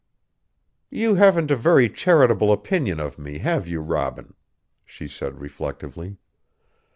"You haven't a very charitable opinion of me, have you, Robin?" she said reflectively.